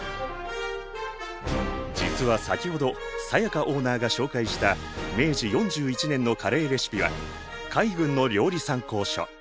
実は先ほど才加オーナーが紹介した明治４１年のカレーレシピは海軍の料理参考書。